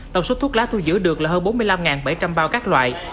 tổng số thuốc lá thu giữ được là hơn bốn mươi năm bảy trăm linh bao các loại